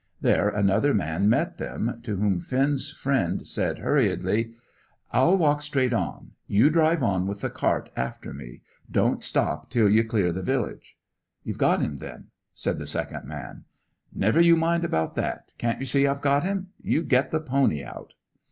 There another man met them, to whom Finn's friend said, hurriedly "I'll walk straight on. You drive on with the cart after me. Don't stop till you're clear of the village." "You've got him, then?" said the second man. "Never you mind about that. Can't yer see I've got him? You get the pony out."